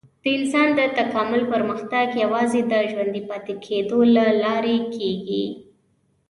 د انسان د تکامل پرمختګ یوازې د ژوندي پاتې کېدو له لارې کېږي.